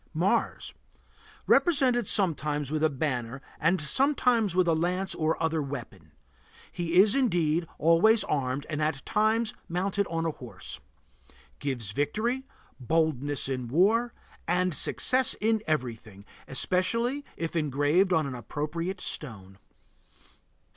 MARS. Represented sometimes with a banner and sometimes with a lance or other weapon. He is, indeed, always armed and at times mounted on a horse. Gives victory, boldness in war, and success in everything, especially if engraved on an appropriate stone.